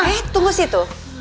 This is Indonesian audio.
eh tunggu sih tuh